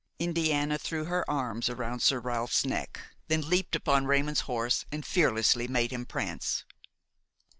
Indiana threw her arms around Sir Ralph's neck, then leaped upon Raymon's horse and fearlessly made him prance.